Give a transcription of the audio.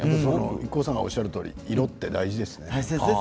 ＩＫＫＯさんがおっしゃるとおり色って大切ですね。